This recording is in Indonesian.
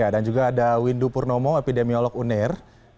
dan juga ada windu purnomo epidemiolog uner